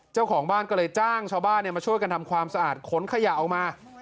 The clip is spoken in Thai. เจ้าของบ้านก็เลยจ้างชาวบ้านมาช่วยกันทำความสะอาดขนขยะออกมา